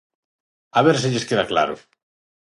A ver se lles queda claro.